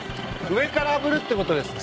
上からあぶるってことですね。